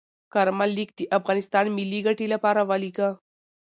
کارمل لیک د افغانستان ملي ګټې لپاره ولیږه.